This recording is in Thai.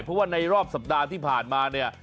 เพราะว่าในรอบสัปดาห์ที่ผ่านมาเนี่ย